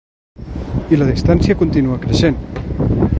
I la distància continua creixent.